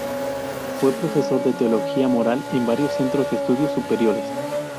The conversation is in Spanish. Fue profesor de Teología Moral en varios centros de estudios superiores.